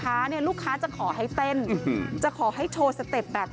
อายุน้อยกว่าเสียชัดเยอะมาก